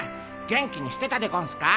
元気にしてたでゴンスか？